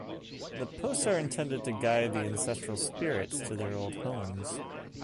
The posts are intended to guide the ancestral spirits to their old homes.